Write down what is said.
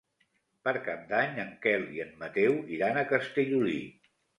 Per Cap d'Any en Quel i en Mateu iran a Castellolí.